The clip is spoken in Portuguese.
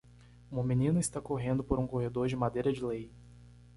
Uma menina está correndo por um corredor de madeira de lei